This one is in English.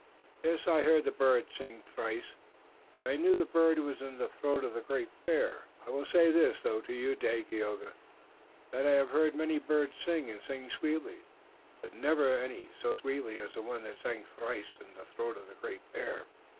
"Yes. I heard the bird sing thrice, but I knew the bird was in the throat of the Great Bear. I will say this, though, to you, Dagaeoga, that I have heard many birds sing and sing sweetly, but never any so sweetly as the one that sang thrice in the throat of the Great Bear."